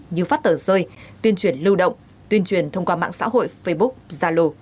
như phát tờ rơi tuyên truyền lưu động tuyên truyền thông qua mạng xã hội facebook zalo